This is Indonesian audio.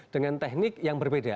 dengan teknik yang berbeda